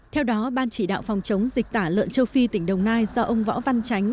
theo đó ban chỉ đạo phòng chống dịch tả lợn châu phi tỉnh đồng nai do ông võ văn chánh